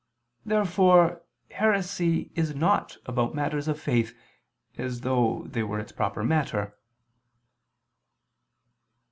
Therefore heresy is not about matters of faith, as though they were its proper matter.